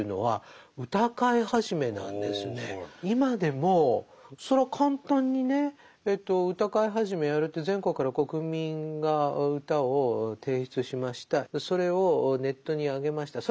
今でもそれは簡単にね歌会始やるって全国から国民が歌を提出しましたそれをネットにあげました。